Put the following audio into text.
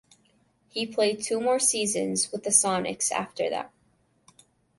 He played two more seasons with the Sonics after that.